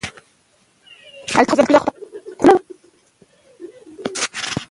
د مانجې جرګې د قوم د آزادۍ وثیقه مهر کړه.